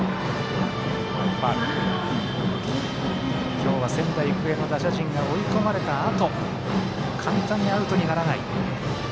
今日は仙台育英の打者陣が追い込まれたあと簡単にアウトにならない。